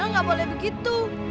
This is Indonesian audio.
mel gak boleh begitu